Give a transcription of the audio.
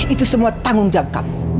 itu semua tanggung jawab kami